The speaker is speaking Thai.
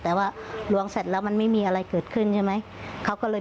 แต่ว่าลวงเสร็จแล้วมันไม่มีอะไรเกิดขึ้นใช่ไหมเขาก็เลย